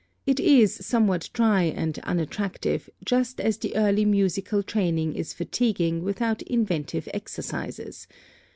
It is somewhat dry and unattractive, just as the early musical training is fatiguing without inventive exercises.